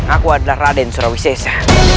aku adalah raden surawisesa